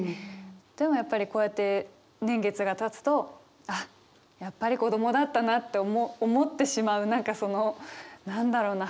でもやっぱりこうやって年月がたつとあっやっぱり子供だったなって思ってしまう何かその何だろうな？